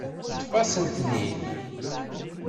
Ṭṭef-asent-ten-id.